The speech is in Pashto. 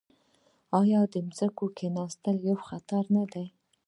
آیا د ځمکې کیناستل یو خطر نه دی؟